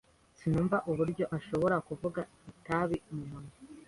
Sinumva uburyo ashobora kuvuga itabi mumunwa.